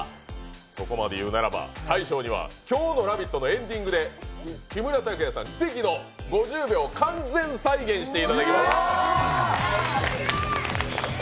そこまで言うならば、大昇には今日の「ラヴィット！」のエンディングで木村拓哉さん奇跡の５０秒を完全再現していただきます。